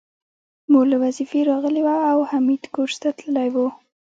مور له وظيفې راغلې وه او حميد کورس ته تللی و